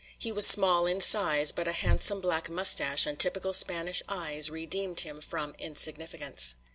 He was small in size, but a handsome black mustache and typical Spanish eyes redeemed him from insignificance.